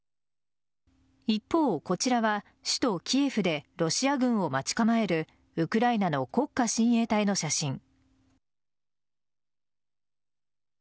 一方、こちらは首都・キエフでロシア軍を待ち構えるウクライナの国家親衛隊の写真。